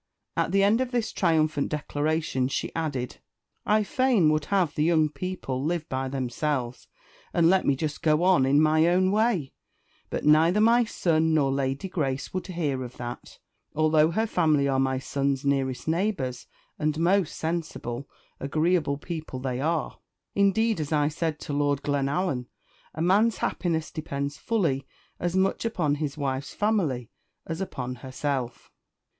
At the end of this triumphant declaration, she added "I fain would have the young people live by themselves, and let me just go on in my own way; but neither my son nor Lady Grace would hear of that, although her family are my son's nearest neighbours, and most sensible, agreeable people they are. Indeed, as I said to Lord Glenallan, a man's happiness depends fully as much upon his wife's family as upon herself."